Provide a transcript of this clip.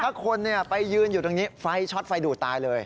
ถ้าคนไปยืนอยู่ตรงนี้ไฟช็อตไฟดูดตายเลย